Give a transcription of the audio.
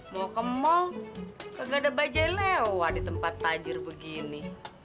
mau ke mall kagak ada bajaj lewa di tempat tajir begini